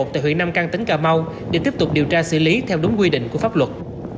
tại huyện nam căn tỉnh cà mau để tiếp tục điều tra xử lý theo đúng quy định của pháp luật